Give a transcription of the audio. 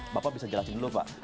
bapak bisa jelasin dulu pak